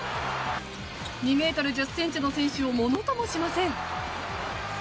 ２ｍ１０ｃｍの選手をものともしません。